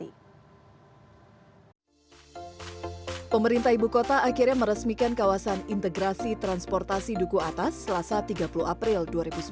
pemerintah ibu kota akhirnya meresmikan kawasan integrasi transportasi duku atas selasa tiga puluh april dua ribu sembilan belas